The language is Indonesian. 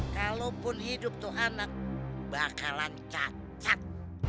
kalaupun hidup tuh anak bakalan cacat